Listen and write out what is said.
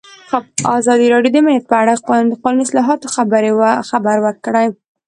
ازادي راډیو د امنیت په اړه د قانوني اصلاحاتو خبر ورکړی.